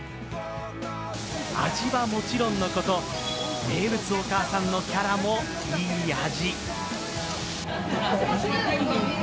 味はもちろんのこと、名物お母さんのキャラも、いい味。